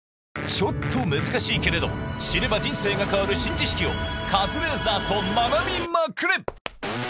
ちょっと難しいけれど知れば人生が変わる新知識をカズレーザーと学びまくれ！